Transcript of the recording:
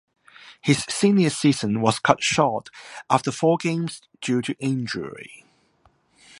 His senior season was cut short after four games due to injury.